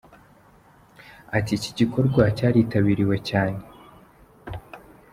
Ati " Iki gikorwa cyaritabiriwe cyane.